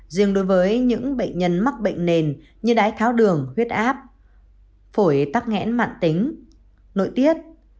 riêng đối với những bệnh nhân mắc bệnh nền như đái tháo đường huyết áp phổi tắc nghẽn mạng tính nội tiết